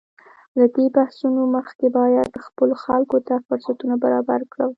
له دې بحثونو مخکې باید خپلو خلکو ته فرصتونه برابر کړو.